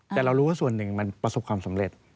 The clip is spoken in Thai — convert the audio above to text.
แต่เรารู้ว่าส่วนหนึ่งมันประสบความสำเร็จ